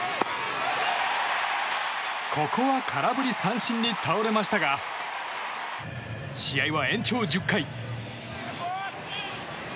ここは空振り三振に倒れましたが試合は延長１０回。